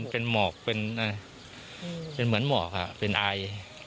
เป็นหมอกเป็นเหมือนหมอกเป็นไอ